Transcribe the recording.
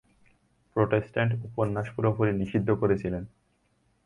Protestant উপাসনা পুরোপুরি নিষিদ্ধ করেছিলেন।